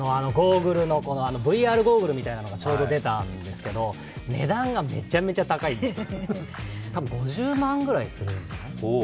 ＶＲゴーグルみたいなのがちょうど出たんですけど、値段がめちゃめちゃ高いんですよ、多分５０万ぐらいするんです。